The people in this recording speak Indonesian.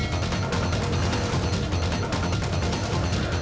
saya kesana sekarang om ya